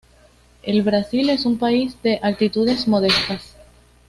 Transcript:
El Brasil es un país de altitudes modestas.